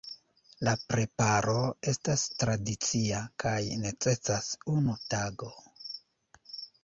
La preparo estas tradicia kaj necesas unu tago.